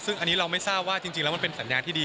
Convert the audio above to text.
ซึ่งอันนี้เราไม่ทราบว่าจริงแล้วมันเป็นสัญญาณที่ดี